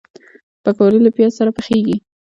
پکورې له پیاز سره پخېږي